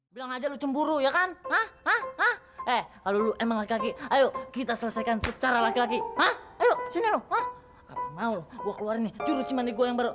biar gue pelintir badan lo semuanya